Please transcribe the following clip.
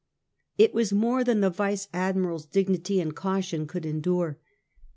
It was more than the vice admiral's dignity and caution could endure.